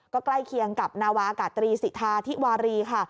ก็ใกล้เคียงกับนาวากาตรีสิทธาธิวารีค่ะ